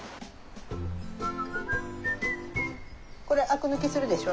これアク抜きするでしょ？